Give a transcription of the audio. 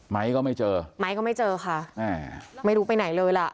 ก็ไม่เจอไม้ก็ไม่เจอค่ะอ่าไม่รู้ไปไหนเลยล่ะ